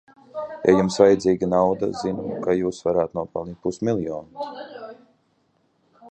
Ja jums vajadzīga nauda, zinu, kā jūs varētu nopelnīt pus miljonu!